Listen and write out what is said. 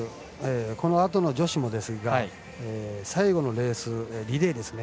このあとの女子もですが最後のレース、リレーですね。